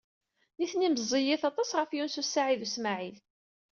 Nitni meẓẓiyit aṭas ɣef Yunes u Saɛid u Smaɛil.